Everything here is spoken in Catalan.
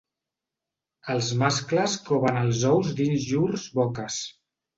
Els mascles coven els ous dins llurs boques.